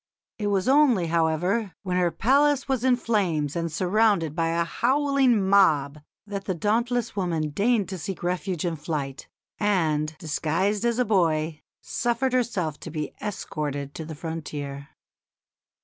It was only, however, when her palace was in flames and surrounded by a howling mob that the dauntless woman deigned to seek refuge in flight, and, disguised as a boy, suffered herself to be escorted to the frontier.